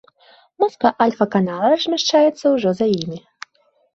Маска альфа-канала размяшчаецца ўжо за імі.